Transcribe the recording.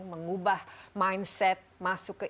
mengubah mindset masuk ke